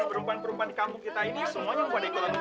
ya ampun ada kesemua pada ikutan